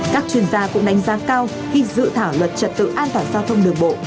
các chuyên gia cũng đánh giá cao khi dự thảo luật trật tự an toàn giao thông đường bộ